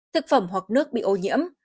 thực phẩm hoặc nước bị ô nhiễm